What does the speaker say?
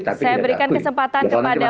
saya berikan kesempatan kepada mas faldo dulu